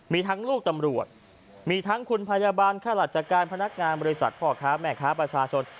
มีทั้งลูกตำรวจมีทั้งคุณพยาบาลค่าราชการพนักงานบริษัทพ่อค้าแม่ค้าประชาชน